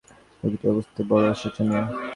রোগীটির অবস্থা বড় শোচনীয়।